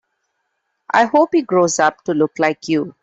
I hope he grows up to look like you.